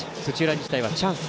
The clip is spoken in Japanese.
日大はチャンス。